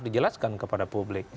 saya jelaskan kepada publik